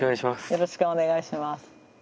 よろしくお願いします。